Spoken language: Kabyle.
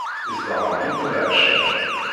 Isderɣel-itt leɛceq.